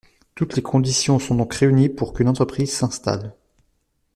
Toutes les conditions sont donc réunies pour qu’une entreprise s’installe.